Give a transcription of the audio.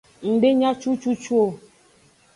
Ng de nya cucucu o.